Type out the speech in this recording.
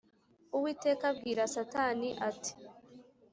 Uwiteka abwira Satani ati